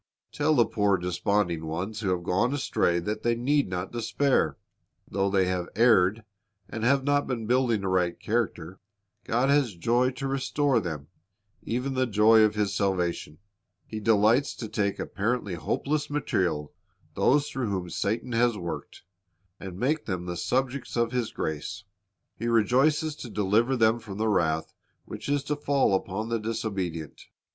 Tell the poor desponding ones who have gone astray that they need not despair. Though they have erred, and have not been building a right character, God has joy to restore to them, even the joy of His salvation. He delights to take apparently hopeless material, those through whom Satan has worked, and make them the subjects of His grace. He rejoices to deliver them from the wrath which is to fall upon the disobedient.